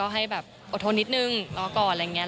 ให้แบบอดทนนิดนึงรอก่อนอะไรอย่างนี้